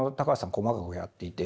細かくやっていて。